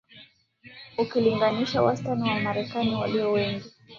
ukilinganisha na wastani wa Wamarekani walio wengi